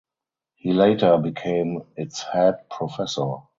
He later became its head professor.